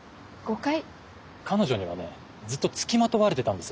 彼女にはねずっと付きまとわれてたんです。